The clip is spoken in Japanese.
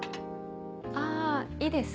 あいいです